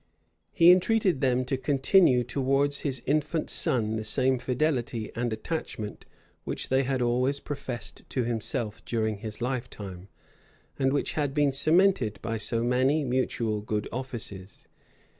He entreated them to continue towards his infant son the same fidelity and attachment which they had always professed to himself during his lifetime, and which had been cemented by so many mutual good offices.